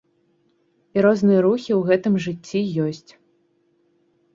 І розныя рухі ў гэтым жыцці ёсць.